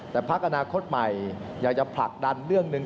แต่พักอนาคตใหม่อยากจะผลักดันเรื่องหนึ่ง